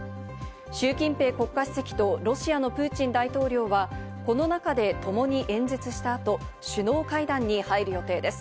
シュウ・キンペイ国家主席とロシアのプーチン大統領は、この中で共に演説した後、首脳会談に入る予定です。